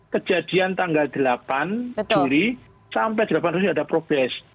kejadian tanggal delapan juli sampai delapan juli ada progres